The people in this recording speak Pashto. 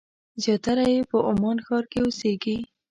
زیاتره یې په عمان ښار کې اوسېږي.